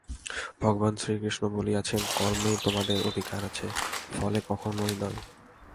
ভগবান শ্রীকৃষ্ণ বলিয়াছেন কর্মেই তোমাদের অধিকার আছে, ফলে কখনও নয়।